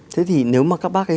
thế thì nếu mà các bác ấy